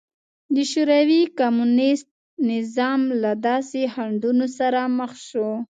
د شوروي کمونېست نظام له داسې خنډونو سره مخ شو